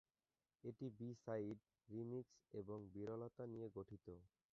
এটি B-side, remix এবং বিরলতা নিয়ে গঠিত।